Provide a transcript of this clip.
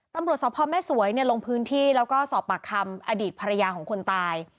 ตำรวจสพแม่สวยลงพื้นที่แล้วก็สอบปากคำอดีตภรรยาของคนตาย